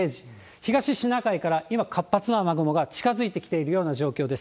東シナ海から今、活発な雨雲が近づいてきているような状況です。